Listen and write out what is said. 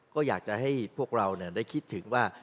ก็อยากจะให้พวกเราได้คิดถึงว่า